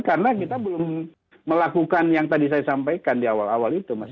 karena kita belum melakukan yang tadi saya sampaikan di awal awal